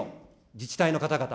自治体の方々。